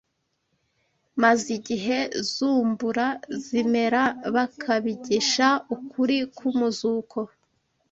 maze igihe zumbura zimera, bakabigisha ukuri k’umuzuko